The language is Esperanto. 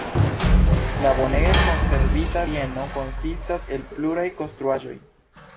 La bonege konservita bieno konsistas el pluraj konstruaĵoj.